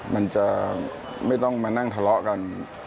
มันจะไม่ต้องมานั่งทะเลาะกัน